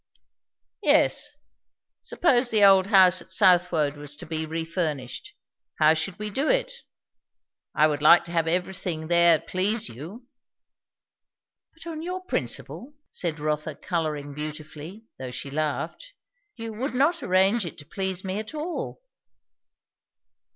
"Yes. Suppose the old house at Southwode was to be refurnished; how should we do it? I would like to have everything there please you." "But on your principle," said Rotha, colouring beautifully, though she laughed, "you would not arrange it to please me at all."